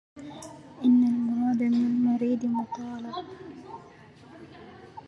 إن المراد مع المريد مطالب